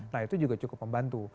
nah itu juga cukup membantu